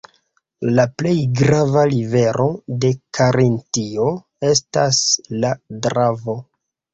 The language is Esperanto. La plej grava rivero de Karintio estas la Dravo.